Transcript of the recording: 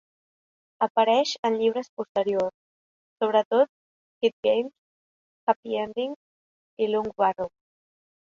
Apareix en llibres posteriors, sobretot "Head games", "Happy endings" i "Lungbarrow".